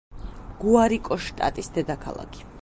გუარიკოს შტატის დედაქალაქი.